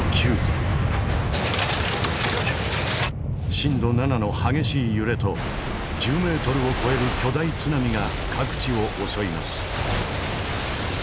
震度７の激しい揺れと１０メートルを超える巨大津波が各地を襲います。